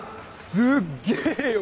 すっげえよ